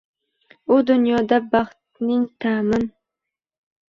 U dunyoda baxting ta’min